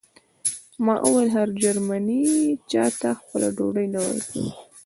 ما وویل هر جرمنی چاته خپله ډوډۍ نه ورکوي